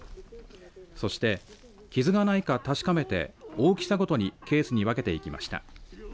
そして、傷がないか確かめて大きさごとにケースに分けていきました。